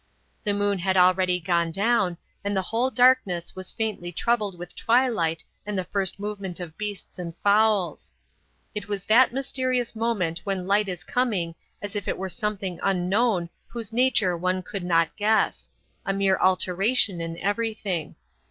The moon had already gone down, and the whole darkness was faintly troubled with twilight and the first movement of beasts and fowls. It was that mysterious moment when light is coming as if it were something unknown whose nature one could not guess a mere alteration in everything.